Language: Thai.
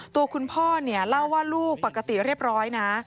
ตัวคุณพ่อเนี่ยเล่าว่าลูกปกติเรียบร้อยนะ